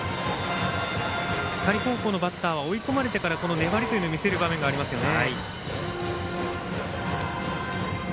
光高校のバッターは追い込まれてから粘りを見せる場面がありますよね。